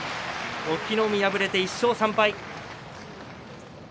隠岐の海、敗れて１勝３敗です。